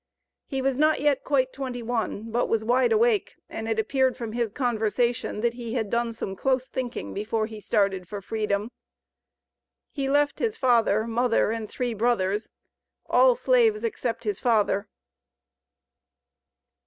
He was not yet quite twenty one, but was wide awake, and it appeared from his conversation, that he had done some close thinking before he started for freedom. He left his father, mother, and three brothers, all slaves except his father.